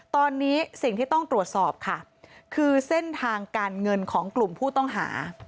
ตอนนี้สิ่งที่ต้องตรวจสอบค่ะคือเส้นทางการเงินของกลุ่มผู้ต้องหา